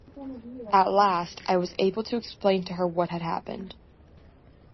At last, I was able to explain to her what had happened.